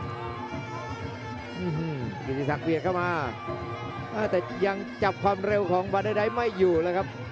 อื้อฮือกินที่สักเบียดเข้ามาอ่าแต่ยังจับความเร็วของบาเดอร์ไดด์ไม่อยู่แล้วครับ